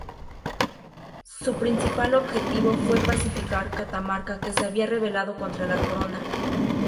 Su principal objetivo fue pacificar Catamarca que se había revelado contra la corona.